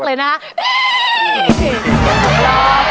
กันแล้วอีกในไหม